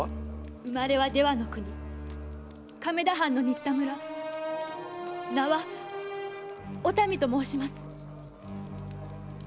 生まれは出羽の国亀田藩の新田村名は「おたみ」と申します。